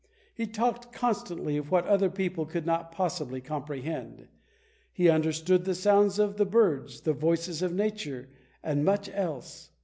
He talked constantly of what other people could not possibly comprehend. He understood the sounds of the birds, the voices of Nature, and much else.